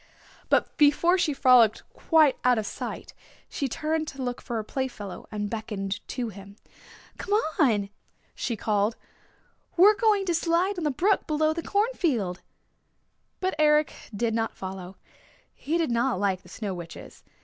But before she frolicked quite out of sight she turned to look for her playfellow, and beckoned to him. "Come on," she called. "We're going to slide on the brook below the cornfield." But Eric did not follow. He did not like the Snow Witches.